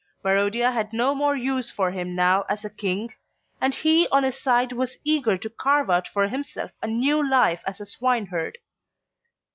Barodia had no more use for him now as a King, and he on his side was eager to carve out for himself a new life as a swineherd.